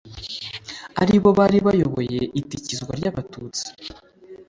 aribo bari bayoboye itikizwa ry' abatutsi